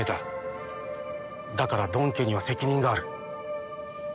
だからドン家には責任がある。